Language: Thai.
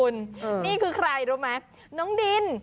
นี่คือใครรู้ไหมน้องดิน